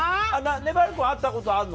ねばる君は会ったことあるの？